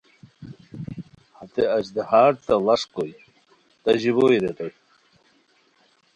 ہتے اژدھار تہ ڑاݰ کوئے تہ ژیبوئے ریتائے